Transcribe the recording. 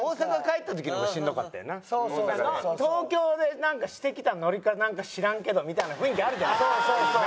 東京でなんかしてきたノリかなんか知らんけどみたいな雰囲気あるじゃないですか。